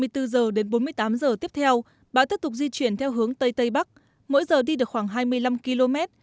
hai mươi bốn h đến bốn mươi tám giờ tiếp theo bão tiếp tục di chuyển theo hướng tây tây bắc mỗi giờ đi được khoảng hai mươi năm km